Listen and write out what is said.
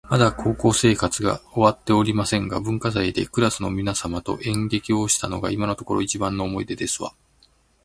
まだ高校生活が終わっておりませんが、文化祭でクラスの皆様と演劇をしたのが今のところ一番の思い出ですわ